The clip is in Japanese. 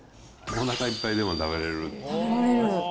おなかいっぱいでも食べれる。